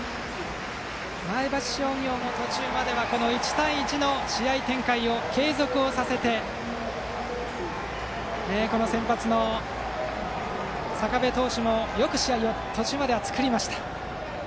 前橋商業も途中までは１対１の試合展開を継続させて、先発の坂部投手も試合を途中まではよく作りました。